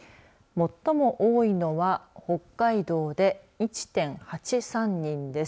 最も多いのは北海道で１．８３人です。